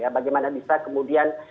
bagaimana bisa kemudian